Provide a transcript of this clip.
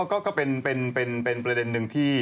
ก็เป็นประเด็นหนึ่งที่